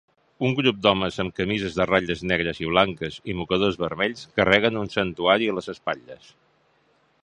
Un grup d'homes amb camises de ratlles negres i blanques i mocadors vermells carreguen un santuari a les espatlles.